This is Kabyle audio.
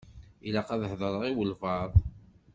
Ilaq ad heḍṛeɣ i walebɛaḍ.